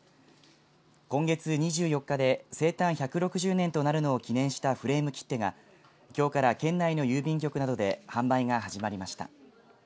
今月２４日で生誕１６０年となるのを記念したフレーム切手がきょうから県内の郵便局などで販売が始まりました。